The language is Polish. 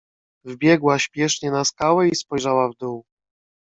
"Wbiegła śpiesznie na skałę i spojrzała w dół."